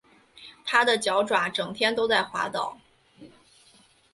他的脚爪整天都在滑倒